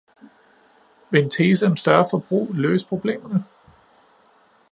Ville en tese om større forbrug løse problemerne?